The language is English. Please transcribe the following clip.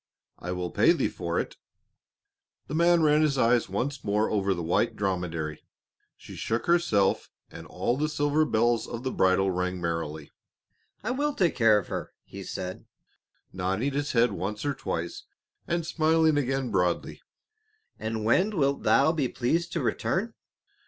I will pay thee for it." The man ran his eyes once more over the white dromedary, she shook herself and all the silver bells of the bridle rang merrily. "I will take care of her," he said, nodding his head once or twice and smiling again broadly; "and when wilt thou be pleased to return?"